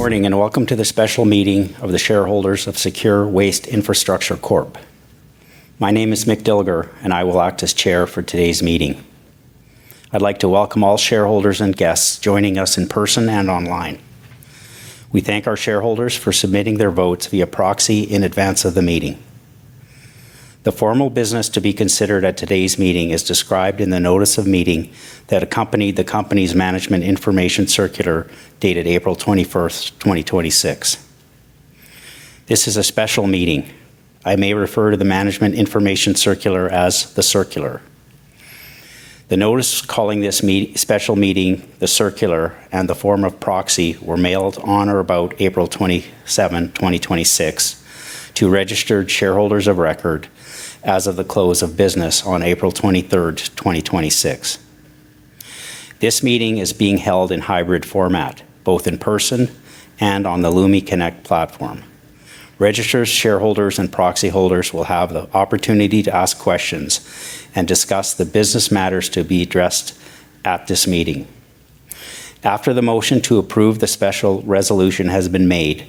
Good morning, welcome to the special meeting of the shareholders of SECURE Waste Infrastructure Corp. My name is Mick Dilger, I will act as chair for today's meeting. I'd like to welcome all shareholders and guests joining us in person and online. We thank our shareholders for submitting their votes via proxy in advance of the meeting. The formal business to be considered at today's meeting is described in the notice of meeting that accompanied the company's management information circular, dated April 21st, 2026. This is a special meeting. I may refer to the management information circular as the circular. The notice calling this special meeting, the circular, and the form of proxy were mailed on or about April 27, 2026 to registered shareholders of record as of the close of business on April 23rd, 2026. This meeting is being held in hybrid format, both in person and on the Lumi Connect platform. Registered shareholders and proxy holders will have the opportunity to ask questions and discuss the business matters to be addressed at this meeting. After the motion to approve the special resolution has been made,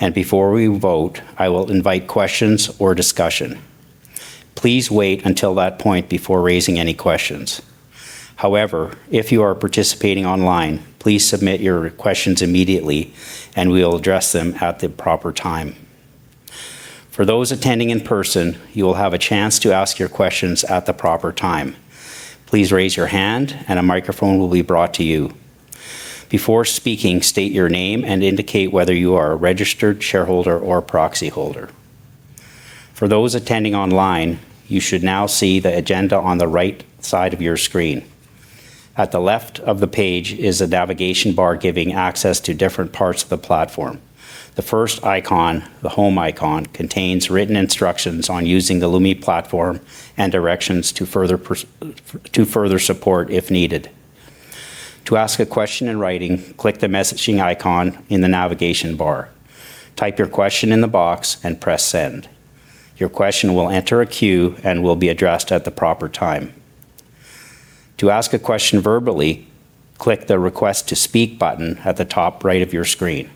and before we vote, I will invite questions or discussion. Please wait until that point before raising any questions. However, if you are participating online, please submit your questions immediately, and we'll address them at the proper time. For those attending in person, you'll have a chance to ask your questions at the proper time. Please raise your hand, and a microphone will be brought to you. Before speaking, state your name and indicate whether you are a registered shareholder or proxy holder. For those attending online, you should now see the agenda on the right side of your screen. At the left of the page is a navigation bar giving access to different parts of the platform. The first icon, the home icon, contains written instructions on using the Lumi platform and directions to further support if needed. To ask a question in writing, click the messaging icon in the navigation bar. Type your question in the box and press send. Your question will enter a queue and will be addressed at the proper time. To ask a question verbally, click the request to speak button at the top right of your screen.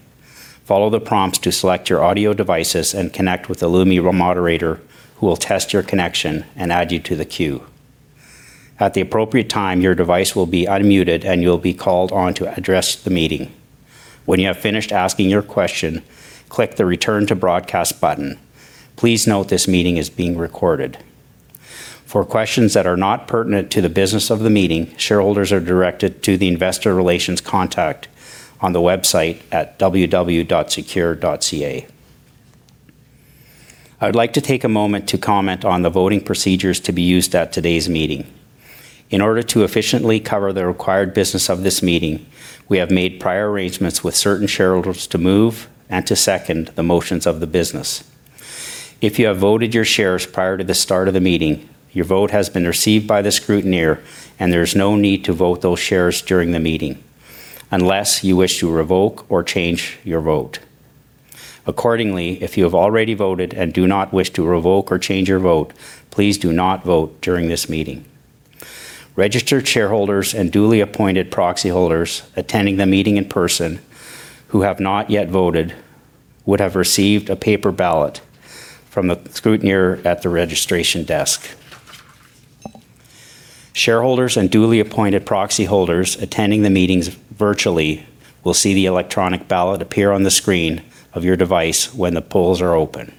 Follow the prompts to select your audio devices and connect with the Lumi moderator, who will test your connection and add you to the queue. At the appropriate time, your device will be unmuted, and you'll be called on to address the meeting. When you have finished asking your question, click the return to broadcast button. Please note this meeting is being recorded. For questions that are not pertinent to the business of the meeting, shareholders are directed to the investor relations contact on the website at www.secure.ca. I would like to take a moment to comment on the voting procedures to be used at today's meeting. In order to efficiently cover the required business of this meeting, we have made prior arrangements with certain shareholders to move and to second the motions of the business. If you have voted your shares prior to the start of the meeting, your vote has been received by the scrutineer, and there's no need to vote those shares during the meeting unless you wish to revoke or change your vote. Accordingly, if you have already voted and do not wish to revoke or change your vote, please do not vote during this meeting. Registered shareholders and duly appointed proxy holders attending the meeting in person who have not yet voted would have received a paper ballot from the scrutineer at the registration desk. Shareholders and duly appointed proxy holders attending the meetings virtually will see the electronic ballot appear on the screen of your device when the polls are open.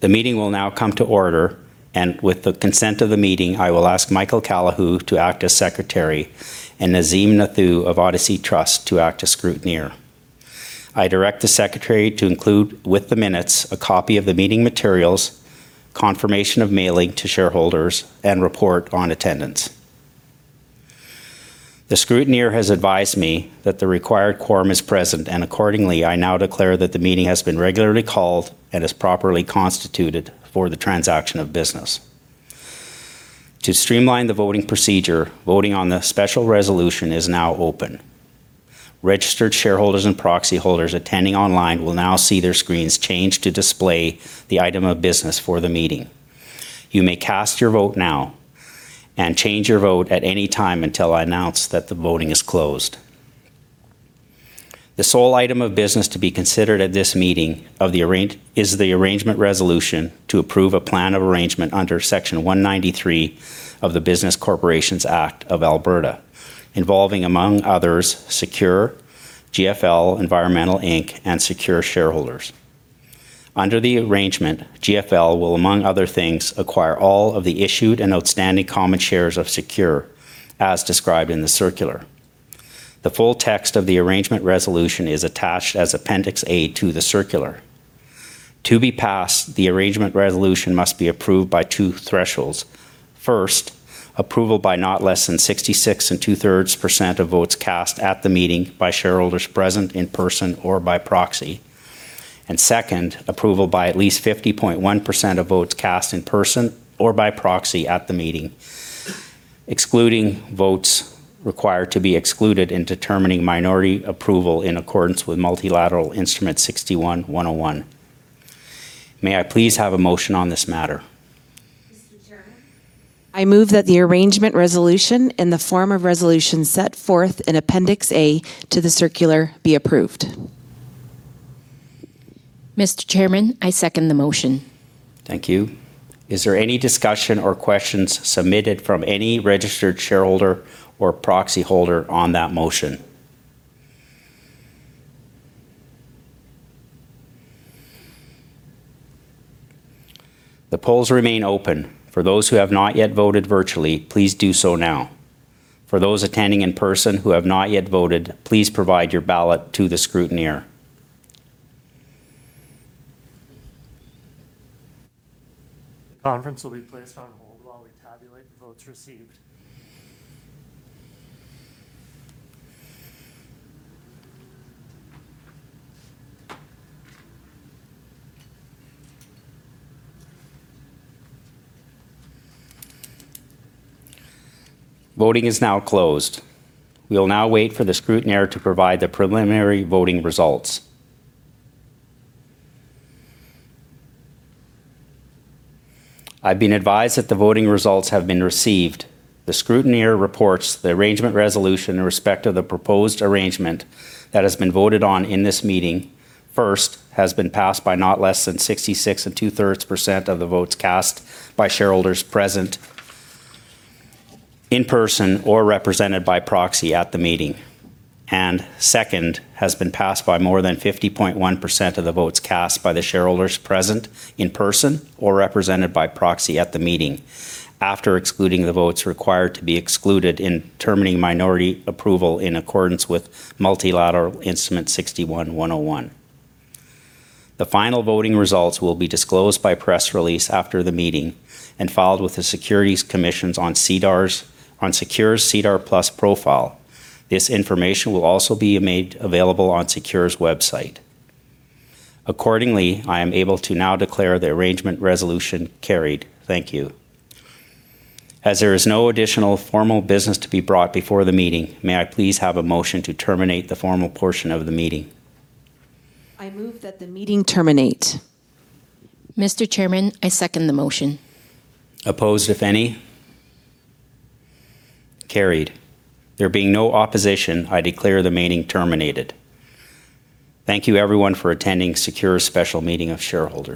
The meeting will now come to order, and with the consent of the meeting, I will ask Michael Callihoo to act as secretary and Nazim Nathoo of Odyssey Trust to act as scrutineer. I direct the secretary to include with the minutes a copy of the meeting materials, confirmation of mailing to shareholders, and report on attendance. The scrutineer has advised me that the required quorum is present, and accordingly, I now declare that the meeting has been regularly called and is properly constituted for the transaction of business. To streamline the voting procedure, voting on the special resolution is now open. Registered shareholders and proxy holders attending online will now see their screens change to display the item of business for the meeting. You may cast your vote now and change your vote at any time until I announce that the voting is closed. The sole item of business to be considered at this meeting is the arrangement resolution to approve a plan of arrangement under Section 193 of the Business Corporations Act of Alberta, involving, among others, SECURE, GFL Environmental Inc., and SECURE shareholders. Under the arrangement, GFL will, among other things, acquire all of the issued and outstanding common shares of SECURE, as described in the circular. The full text of the arrangement resolution is attached as Appendix A to the circular. To be passed, the arrangement resolution must be approved by two thresholds. First, approval by not less than 66 and two-thirds% of votes cast at the meeting by shareholders present in person or by proxy. Second, approval by at least 50.1% of votes cast in person or by proxy at the meeting, excluding votes required to be excluded in determining minority approval in accordance with Multilateral Instrument 61-101. May I please have a motion on this matter? I move that the arrangement resolution in the form of resolution set forth in Appendix A to the circular be approved. Mr. Chairman, I second the motion. Thank you. Is there any discussion or questions submitted from any registered shareholder or proxy holder on that motion? The polls remain open. For those who have not yet voted virtually, please do so now. For those attending in person who have not yet voted, please provide your ballot to the scrutineer. The conference will be placed on hold while we tabulate the votes received. Voting is now closed. We'll now wait for the scrutineer to provide the preliminary voting results. I've been advised that the voting results have been received. The scrutineer reports the arrangement resolution in respect of the proposed arrangement that has been voted on in this meeting, first, has been passed by not less than 66 and two-thirds% of the votes cast by shareholders present in person or represented by proxy at the meeting. Second, has been passed by more than 50.1% of the votes cast by the shareholders present in person or represented by proxy at the meeting, after excluding the votes required to be excluded in determining minority approval in accordance with Multilateral Instrument 61-101. The final voting results will be disclosed by press release after the meeting and filed with the Securities Commissions on SECURE's SEDAR+ profile. This information will also be made available on SECURE's website. Accordingly, I am able to now declare the arrangement resolution carried. Thank you. As there is no additional formal business to be brought before the meeting, may I please have a motion to terminate the formal portion of the meeting? I move that the meeting terminate. Mr. Chairman, I second the motion. Opposed, if any? Carried. There being no opposition, I declare the meeting terminated. Thank you everyone for attending SECURE's special meeting of shareholders.